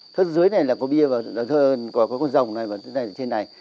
thớt dưới này là có bia và có con rồng này và trên này